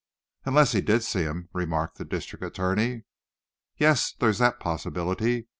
"Unless he did see him," remarked the district attorney. "Yes; there's that possibility.